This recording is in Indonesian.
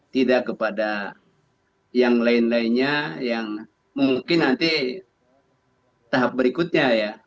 tidak kepada yang lain lainnya yang mungkin nanti tahap berikutnya ya